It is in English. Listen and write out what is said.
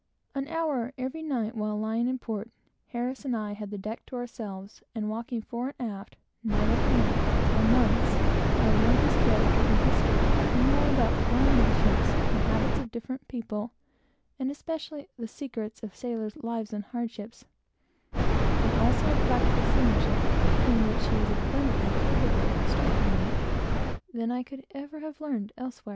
An hour, every night, while lying in port, Harris and myself had the deck to ourselves, and walking fore and aft, night after night, for months, I learned his whole character and history, and more about foreign nations, the habits of different people, and especially the secrets of sailors' lives and hardships, and also of practical seamanship, (in which he was abundantly capable of instructing me,) than I could ever have learned elsewhere.